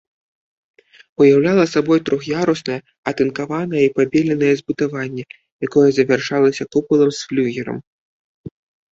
Уяўляла сабой трох'яруснае атынкаванае і пабеленае збудаванне, якое завяршалася купалам з флюгерам.